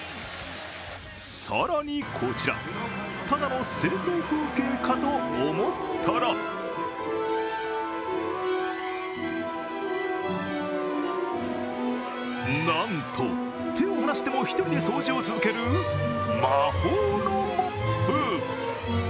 更にこちらただの清掃風景かと思ったらなんと、手を離しても１人で掃除を続ける魔法のモップ。